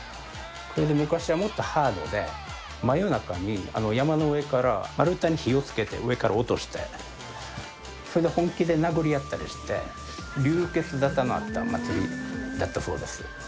それで昔はもっとハードで、真夜中に、山の上から丸太に火をつけて上から落として、それで本気で殴り合ったりして、流血沙汰になった祭りだったそうです。